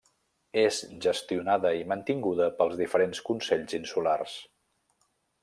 És gestionada i mantinguda pels diferents consells insulars.